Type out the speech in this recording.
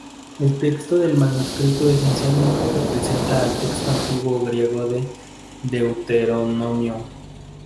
El texto del manuscrito esencialmente representa al texto antiguo griego de Deuteronomio.